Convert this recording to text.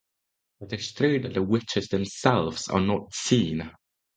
It is true that the witches themselves are not seen.